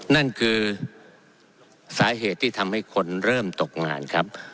นั่นคือสาเหตุที่ทำให้คนเริ่มตกงานครับ